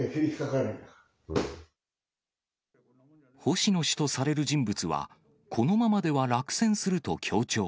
星野氏とされる人物は、このままでは落選すると強調。